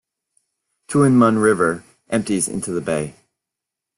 Tuen Mun River empties into the bay.